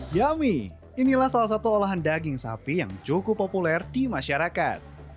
yami inilah salah satu olahan daging sapi yang cukup populer di masyarakat